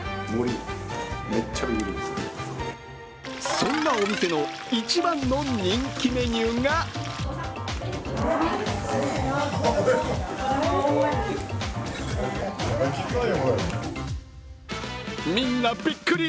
そんなお店の一番の人気メニューがみんなびっくり。